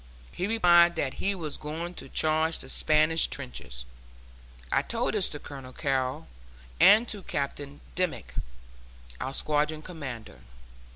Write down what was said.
He replied that he was going to charge the Spanish trenches. I told this to Colonel Carrol, and to Captain Dimmick, our squadron commander.